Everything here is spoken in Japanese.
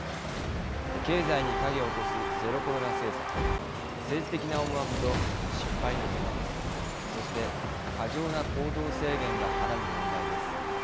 経済に影を落とすゼロコロナ政策政治的な思惑と失敗の懸念そして、過剰な行動制限がはらむ問題です。